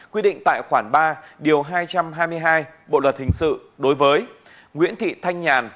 quy định tại khoản ba điều hai trăm hai mươi hai bộ luật hình sự đối với nguyễn thị thanh nhàn